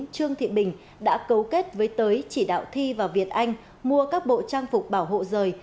trương thị bình đã cấu kết với tới chỉ đạo thi và việt anh mua các bộ trang phục bảo hộ rời